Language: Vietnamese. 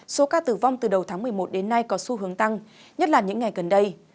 số ca tử vong từ đầu tháng một mươi một đến nay có xu hướng tăng nhất là những ngày gần đây